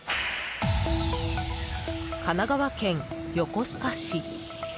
神奈川県横須賀市。